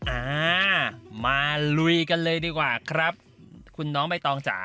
อ่ามาลุยกันเลยดีกว่าครับคุณน้องใบตองจ๋า